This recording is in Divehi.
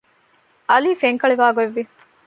ޢަލީ ފެންކަޅިވާގޮތް ވި